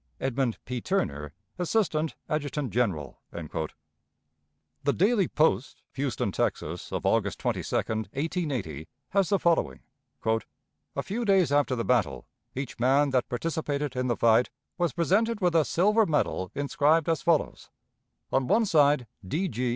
"EDMUND P. TURNER, Assistant Adjutant General." The "Daily Post," Houston, Texas, of August 22, 1880, has the following: "A few days after the battle each man that participated in the fight was presented with a silver medal inscribed as follows: On one side 'D.